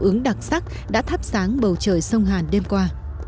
ứng đặc sắc đã thắp sáng bầu trời sông hàn đêm qua